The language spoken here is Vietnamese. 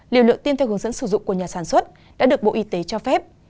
liều lượng tin theo hướng dẫn sử dụng của nhà sản xuất đã được bộ y tế cho phép